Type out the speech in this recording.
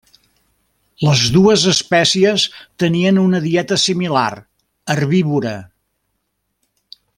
Les dues espècies tenien una dieta similar, herbívora.